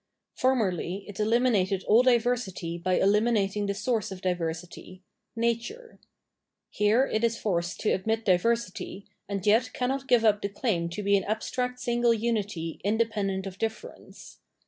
Formerly it eliminated all diversity by eliminating the source of diversity — nature. Here it is forced to admit diversity, and yet cannot give up the claim to be an abstract single unity independent of difference.